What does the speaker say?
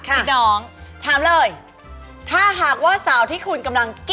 เธอถอดรองเท้าไปออกมาแต่ว่าเท้าเหม็นมาก